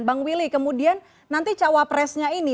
bang willy kemudian nanti cawa presnya ini